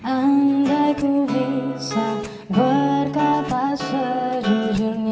andai ku bisa berkata sejujurnya